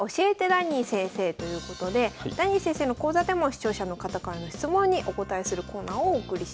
ダニー先生」ということでダニー先生の講座でも視聴者の方からの質問にお答えするコーナーをお送りします。